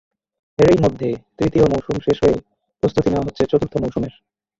এরই মধ্যে তৃতীয় মৌসুম শেষ হয়ে প্রস্তুতি নেওয়া হচ্ছে চতুর্থ মৌসুমের।